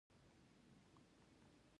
دا د اقتصادي کتابونو د مطالعې پر اساس وای.